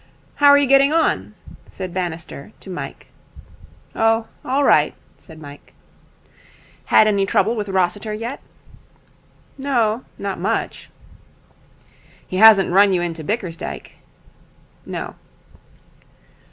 'How are you getting on?' said Bannister to Mike. 'Oh, all right,' said Mike. 'Had any trouble with Rossiter yet?' 'No, not much.' 'He hasn't run you in to Bickersdyke?' 'No.'